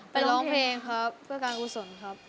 ร้องเพลงครับเพื่อการกุศลครับ